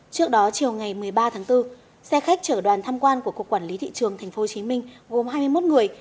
trước đó chiều ngày một mươi ba tháng bốn xe khách trở đoàn thăm quan của quản lý thị trường tp hcm gồm hai mươi một người